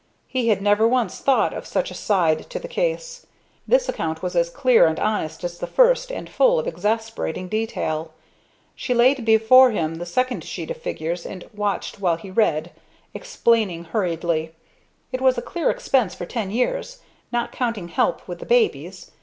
He had never once thought of such a side to the case. This account was as clear and honest as the first and full of exasperating detail. She laid before him the second sheet of figures and watched while he read, explaining hurriedly: "It was a clear expense for ten years not counting help with the babies.